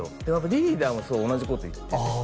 やっぱリーダーもそう同じこと言っててああ